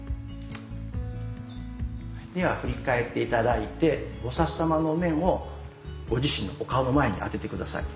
では振り返って頂いて菩様のお面をご自身のお顔の前に当てて下さい。